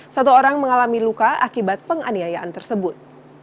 satu orang mengalami luka akibat penganiayaan tersebut